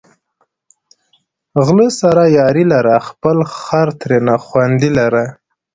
غله سره یاري لره، خپل خر ترېنه خوندي لره